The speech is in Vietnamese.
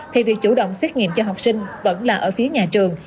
thì việc chủ động xét nghiệm cho học sinh vẫn là ở phía nhà trường